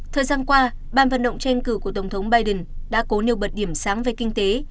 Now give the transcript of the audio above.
thời gian qua ban vận động tranh cử của tổng thống biden đã cố nêu bật điểm sáng về kinh tế